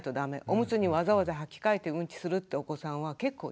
おむつにわざわざはき替えてうんちするってお子さんは結構いるんですね。